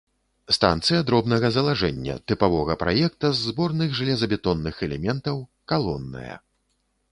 Станцыя дробнага залажэння, тыпавога праекта з зборных жалезабетонных элементаў, калонная.